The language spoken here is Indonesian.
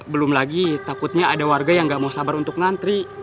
belum lagi takutnya ada warga yang nggak mau sabar untuk ngantri